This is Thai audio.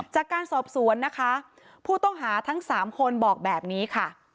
จากการสอบสวนนะคะผู้ต้องหาทั้ง๓คนบอกแบบนี้ค่ะ